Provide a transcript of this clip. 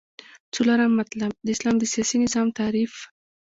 څلورم مطلب : د اسلام د سیاسی نظام تعریف